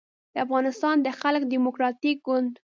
د افغانستان د خلق دیموکراتیک ګوند